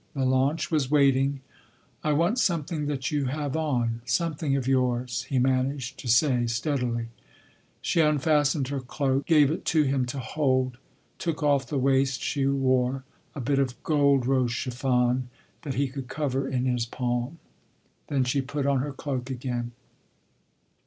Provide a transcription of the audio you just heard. The launch was waiting. "I want something that you have on—something of yours," he managed to say steadily. She unfastened her cloak, gave it to him to hold—took off the waist she wore—a bit of gold rose chiffon that he could cover in his palm. Then she put on her cloak again.